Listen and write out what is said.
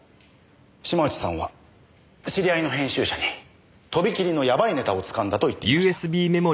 島内さんは知り合いの編集者にとびきりのやばいネタをつかんだと言っていました。